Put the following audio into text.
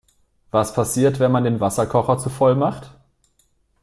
Was passiert, wenn man den Wasserkocher zu voll macht?